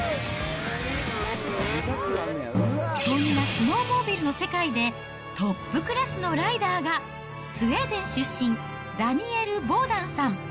そんなスノーモービルの世界で、トップクラスのライダーが、スウェーデン出身、ダニエル・ボーダンさん。